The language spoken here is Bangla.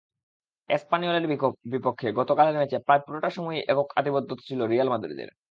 এসপানিওলের বিপক্ষে গতকালের ম্যাচে প্রায় পুরোটা সময়ই একক আধিপত্য ছিল রিয়াল মাদ্রিদের।